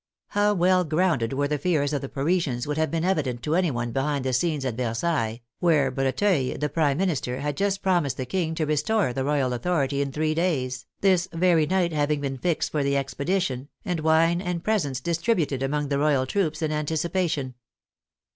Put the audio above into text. How well grounded were the fears of the Parisians would have been evident to anyone behind the scenes at Ver sailles, where Breteuil, the Prime Minister, had just prom ised the King to restore the royal authority in three days, this very night having been fixed for the expedition, and wine and presents distributed among the royal troops in anticipation.